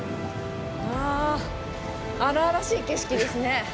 あ荒々しい景色ですね。